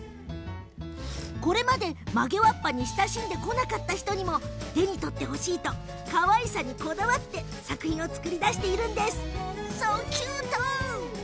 これまで曲げわっぱに親しんでこなかった人にも手に取ってほしいとかわいらしさにこだわって作品を作り出しているんです。